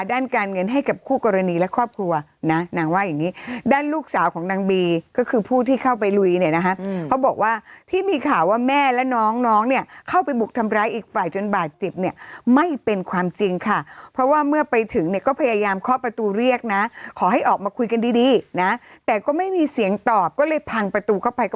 ด้านการเงินให้กับคู่กรณีและครอบครัวนะนางว่าอย่างนี้ด้านลูกสาวของนางบีก็คือผู้ที่เข้าไปลุยเนี่ยนะคะเขาบอกว่าที่มีข่าวว่าแม่และน้องน้องเนี่ยเข้าไปบุกทำร้ายอีกฝ่ายจนบาดเจ็บเนี่ยไม่เป็นความจริงค่ะเพราะว่าเมื่อไปถึงเนี่ยก็พยายามเคาะประตูเรียกนะขอให้ออกมาคุยกันดีดีนะแต่ก็ไม่มีเสียงตอบก็เลยพังประตูเข้าไปก็